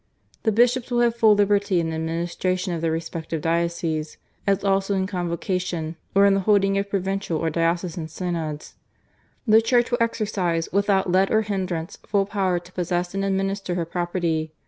The Bishops will have full liberty in the administration of their respective dioceses, as also in Convocation, or in the holding of Provincial or Diocesan Synods. "The Church will exercise, without let or hin drance, full power to possess and administer her property.